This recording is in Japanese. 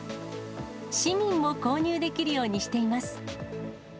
市民も購入できるようにしています。